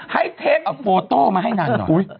ให้เทคโฟโต้มาให้นางหน่อย